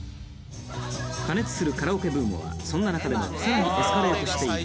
「過熱するカラオケブームはそんな中でもさらにエスカレートしている」